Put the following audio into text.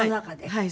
はい。